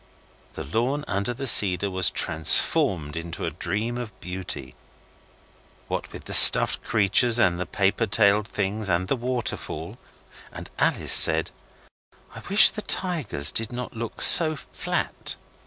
The lawn under the cedar was transformed into a dream of beauty, what with the stuffed creatures and the paper tailed things and the waterfall. And Alice said 'I wish the tigers did not look so flat.